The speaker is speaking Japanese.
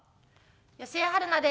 吉江晴菜です。